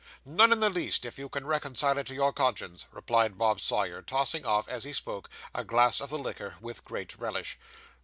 'None in the least, if you can reconcile it to your conscience,' replied Bob Sawyer, tossing off, as he spoke, a glass of the liquor with great relish.